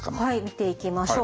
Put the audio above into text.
見ていきましょう。